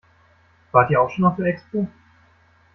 Wart ihr auch schon auf der Expo?